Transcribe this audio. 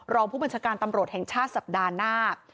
รองผู้บัญชาการตำรวจแห่งชาติสัปดาห์หน้า